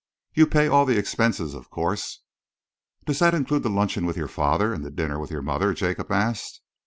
"You pay all the expenses, of course." "Does that include the luncheon with your father and the dinner with your mother?" Jacob asked.